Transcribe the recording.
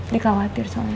dia khawatir sama dia